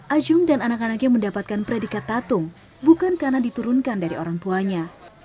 ajung dan anak anaknya mendapatkan predikat tatung bukan karena diturunkan dari orang tuanya